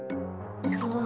そう。